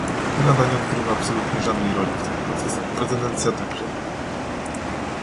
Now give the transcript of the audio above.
Rada nie odgrywa absolutnie żadnej roli w tych procesach, prezydencja także nie